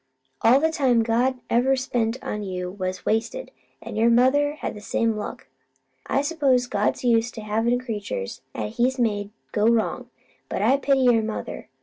All the time God ever spent on you was wasted, an' your mother's had the same luck. I s'pose God's used to having creatures 'at He's made go wrong, but I pity your mother.